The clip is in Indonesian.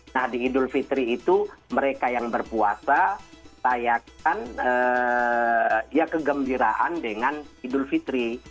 nah di idul fitri itu mereka yang berpuasa rayakan ya kegembiraan dengan idul fitri